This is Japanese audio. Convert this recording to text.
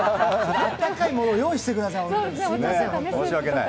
あったかいものを用意してください、すみません。